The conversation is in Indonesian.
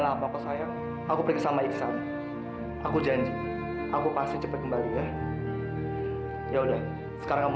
lupa kau sayang aku pergi sama iksan aku janji aku pasti cepet kembali ya ya udah sekarang kamu